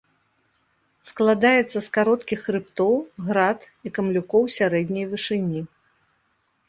Складаецца з кароткіх хрыбтоў, град і камлюкоў сярэдняй вышыні.